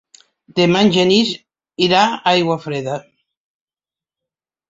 Demà en Genís irà a Aiguafreda.